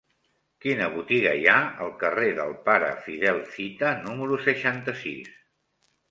Quina botiga hi ha al carrer del Pare Fidel Fita número seixanta-sis?